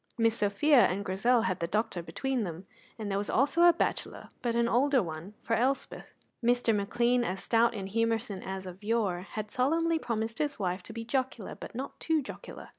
Miss Sophia and Grizel had the doctor between them, and there was also a bachelor, but an older one, for Elspeth. Mr. McLean, as stout and humoursome as of yore, had solemnly promised his wife to be jocular but not too jocular.